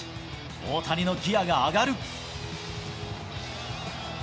大谷のギアが上がる。